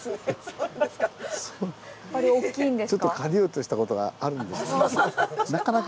やっぱり大きいんですか？